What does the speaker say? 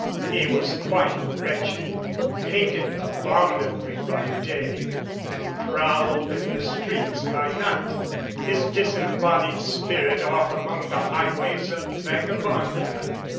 He was quite wretched, painted abominably by day and prowled in the streets by night, his disembodied spirit off among the highways of Vagabondia.